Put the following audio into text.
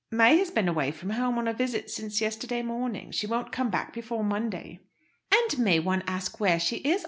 "May has been away from home on a visit since yesterday morning. She won't come back before Monday." "And may one ask where she is?